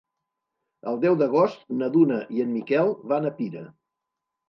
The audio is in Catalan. El deu d'agost na Duna i en Miquel van a Pira.